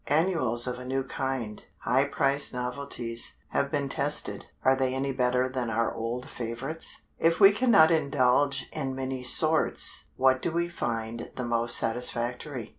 Annuals of a new kind, high priced novelties, have been tested; are they any better than our old favorites? If we cannot indulge in many sorts, what do we find the most satisfactory?